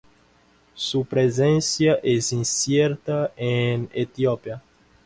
Su presencia es incierta en Etiopía.